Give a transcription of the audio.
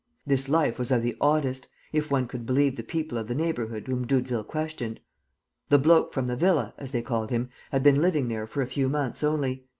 This life was of the oddest, if one could believe the people of the neighborhood whom Doudeville questioned. "The bloke from the villa," as they called him, had been living there for a few months only.